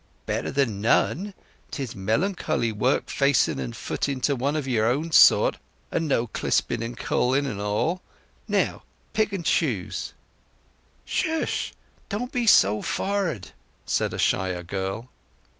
"Better than none. 'Tis melancholy work facing and footing it to one of your own sort, and no clipsing and colling at all. Now, pick and choose." "'Ssh—don't be so for'ard!" said a shyer girl.